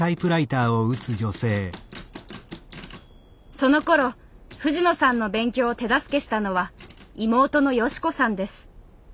そのころ藤野さんの勉強を手助けしたのは妹の良子さんです。